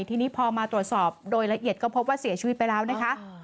ทีนี้พอมาตรวจสอบโดยละเอียดก็พบว่าเสียชีวิตไปแล้วนะคะ